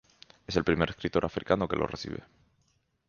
Es el primer escritor africano que lo recibe.